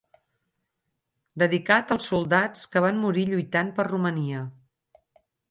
Dedicat als soldats que van morir lluitant per Romania.